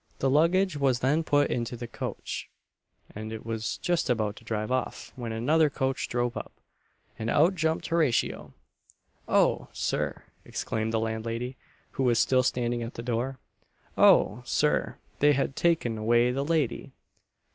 The luggage was then put into the coach, and it was just about to drive off, when another coach drove up, and out jumped Horatio. "Oh! Sir," exclaimed the landlady, who was still standing at the door "Oh! Sir, they have taken away the lady!"